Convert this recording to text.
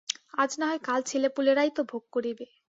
আজ না হয় কাল ছেলেপুলেরাই তো ভোগ করিবে।